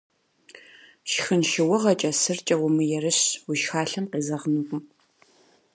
Шхын шыугъэкӏэ, сыркӏэ умыерыщ, уи шхалъэм къезэгъынукъым.